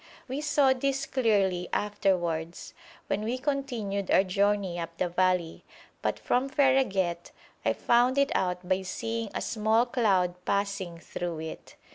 We saw this clearly afterwards, when we continued our journey up the valley, but from Fereghet, I found it out by seeing a small cloud passing through it.